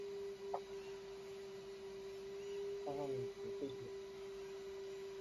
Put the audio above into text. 是前任首领段乞珍之子。